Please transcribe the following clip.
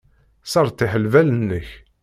Sseṛtiḥ lbal-nnek.